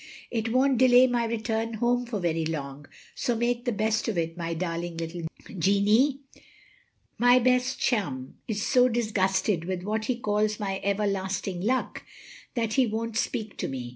It won't delay my return home for very long, so make the best of it, my darling little Jeannie. My best chum is so disgusted with what he calls my everlasting luck, that he won't speak to me.